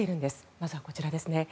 まずはこちらですね。